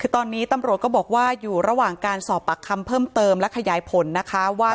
คือตอนนี้ตำรวจก็บอกว่าอยู่ระหว่างการสอบปากคำเพิ่มเติมและขยายผลนะคะว่า